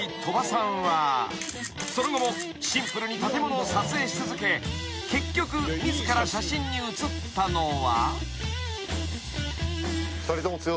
［その後もシンプルに建物を撮影し続け結局自ら写真に写ったのは］